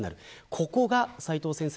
ここが、斎藤先生